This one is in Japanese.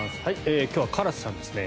今日はカラスさんですね。